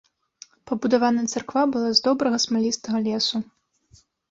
Пабудаваная царква была з добрага смалістага лесу.